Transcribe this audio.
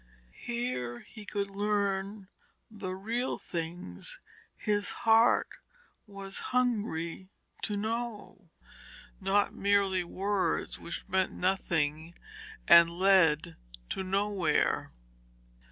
Here he could learn the real things his heart was hungry to know, not merely words which meant nothing and led to nowhere.